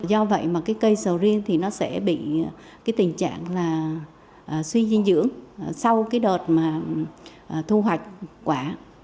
do vậy mà cây sầu riêng thì nó sẽ bị tình trạng suy dinh dưỡng sau đợt thu hoạch quả